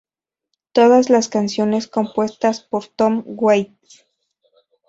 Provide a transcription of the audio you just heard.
Todas las canciones compuestas por Tom Waits.